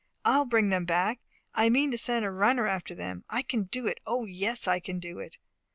I'll bring them back! I mean to send a runner after them. I can do it O, yes, I can do it!"